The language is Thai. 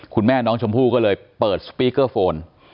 คุณแม่น้องชมพู่ก็เลยเปิดสปีกเกอร์โฟน